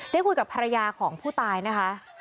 ได้คุยกับภรรยาของผู้ตายนะคะ